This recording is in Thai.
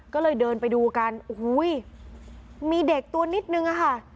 ก็เลยเดินไปดูกันโอ้โหมีเด็กตัวนิดนึงอะค่ะ